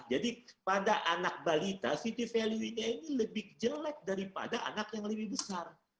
jadi pada anak balita city value ini lebih jelek daripada anak yang lebih besar